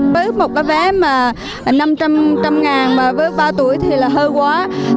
với một vé mà năm trăm linh ngàn với ba tuổi thì là hơi quá